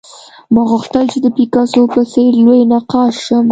ما غوښتل چې د پیکاسو په څېر لوی نقاش شم